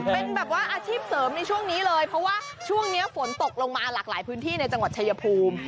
เป็นแบบว่าอาชีพเสริมในช่วงนี้เลยเพราะว่าช่วงนี้ฝนตกลงมาหลากหลายพื้นที่ในจังหวัดชายภูมิ